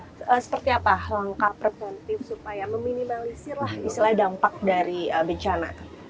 nah seperti apa langkah preventif supaya meminimalisir lah misalnya dampak dari bencana